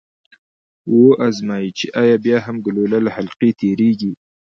و ازمايئ چې ایا بیا هم ګلوله له حلقې تیریږي؟